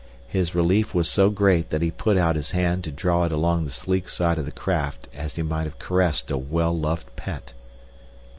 His relief was so great that he put out his hand to draw it along the sleek side of the craft as he might have caressed a well loved pet.